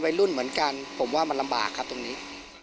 รุ่นเหมือนกันผมว่ามันลำบากครับตรงนี้